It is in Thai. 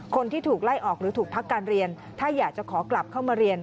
คนที่ถูกไล่ออกหรือถูกพักการเรียนถ้าอยากจะขอกลับเข้ามาเรียน